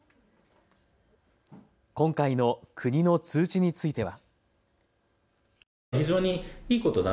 今回の国の通知については。